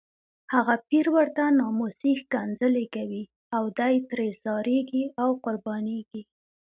هغه پیر ورته ناموسي ښکنځلې کوي او دی ترې ځاریږي او قربانیږي.